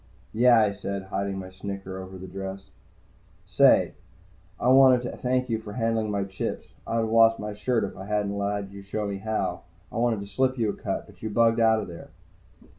"Yeah," I said, hiding my snicker over the dress. "Say, I wanted to thank you for handling my chips. I'd have lost my shirt if I hadn't let you show me how. I wanted to slip you a cut, but you bugged out of there."